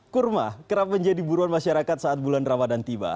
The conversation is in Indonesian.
kurma kerap menjadi buruan masyarakat saat bulan ramadan tiba